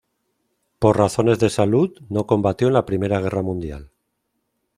Por razones de salud, no combatió en la Primera Guerra Mundial.